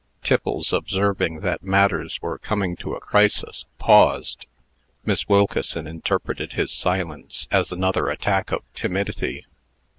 Tiffles, observing that matters were coming to a crisis, paused. Miss Wilkeson interpreted his silence as another attack of timidity.